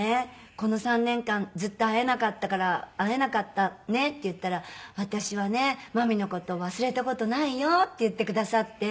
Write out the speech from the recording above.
この３年間ずっと会えなかったから「会えなかったね」って言ったら「私はね真実の事を忘れた事ないよ」って言ってくださって。